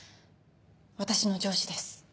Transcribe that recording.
私の上司です。